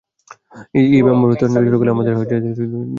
EM আবারও এরকম তছনছ শুরু করলে আমাদের হাতে আর জ্বালানি থাকবে না।